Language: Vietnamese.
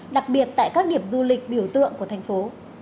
đặc biệt tại các điểm du lịch biểu tượng của thành phố